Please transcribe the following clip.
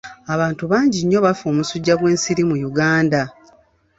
Abantu bangi nnyo bafa omusujja gw'ensiri mu Uganda.